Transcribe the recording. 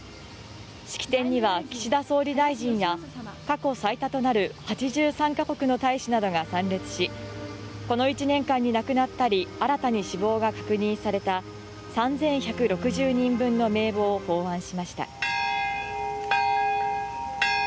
式典には、岸田総理大臣や過去最多となる８３か国の大使などが参列し、この１年間に亡くなったり、新たに死亡が確認された３１６０人分の名簿を奉安しました。